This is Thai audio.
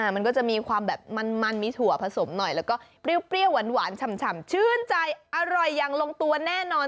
มันก็จะมีความแบบมันมีถั่วผสมหน่อยแล้วก็เปรี้ยวหวานฉ่ำชื่นใจอร่อยอย่างลงตัวแน่นอน